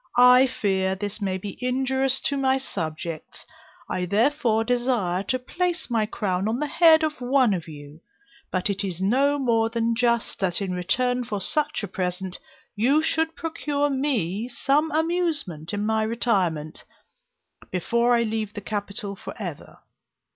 I fear this may be injurious to my subjects; I therefore desire to place my crown on the head of one of you, but it is no more than just, that in return for such a present, you should procure me some amusement in my retirement, before I leave the Capital for ever.